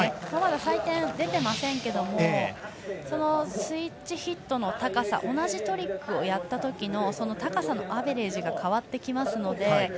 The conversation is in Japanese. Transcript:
まだ採点が出ていませんがスイッチヒットの高さ同じトリックをやったときの高さのアベレージが変わってきますので。